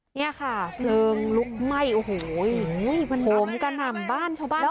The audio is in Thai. เนี่ยค่ะเพลิงลุกไหม้โอ้โหมันโหมกระหน่ำบ้านชาวบ้าน